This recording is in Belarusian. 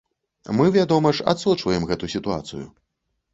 Мы, вядома ж, адсочваем гэту сітуацыю.